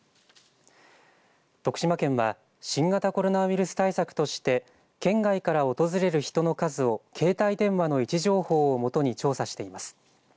徳島県は新型コロナウイルス対策として県外から訪れる人の数を携帯電話の位置情報をもとに調査しています。